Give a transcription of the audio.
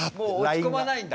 もう落ち込まないんだ。